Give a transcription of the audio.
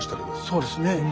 そうですね。